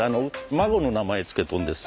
孫の名前付けとんです。